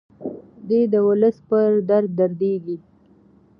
دی د ولس په درد دردیږي.